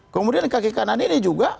kemudian kaki kanan ini juga